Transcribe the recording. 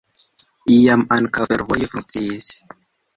Iam ankaŭ fervojo funkciis.